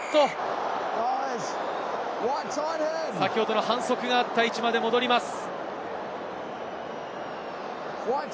先ほどの反則があった位置まで戻ります。